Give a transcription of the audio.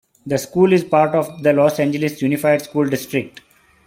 The school is a part of the Los Angeles Unified School District.